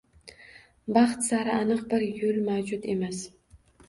Baxt sari aniq bir yo‘l mavjud emas.